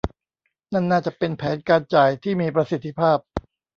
นั่นน่าจะเป็นแผนการจ่ายที่มีประสิทธิภาพ